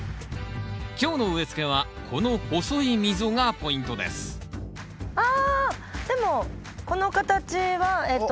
今日の植えつけはこの細い溝がポイントですあでもこの形はえっと。